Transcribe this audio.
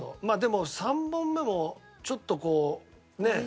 まあでも３本目もちょっとこうね。